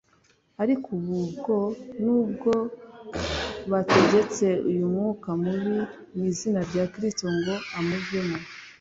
Ariko ubu bwo nubwo bategetse uyu mwuka mubi mu izina rya Kristo ngo amuvemo,